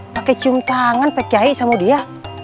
pakai cium tangan pakai jahe sama dia